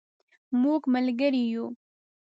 مونږ ملګري یو